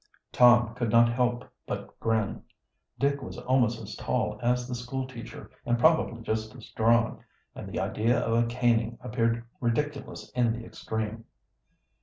Tom could not help but grin. Dick was almost as tall as the school teacher, and probably just as strong, and the idea of a caning appeared ridiculous in the extreme.